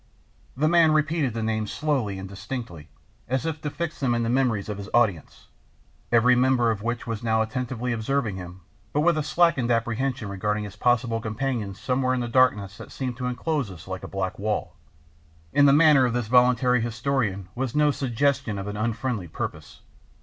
The man repeated the names slowly and distinctly, as if to fix them in the memories of his audience, every member of which was now attentively observing him, but with a slackened apprehension regarding his possible companions somewhere in the darkness that seemed to enclose us like a black wall; in the manner of this volunteer historian was no suggestion of an unfriendly purpose.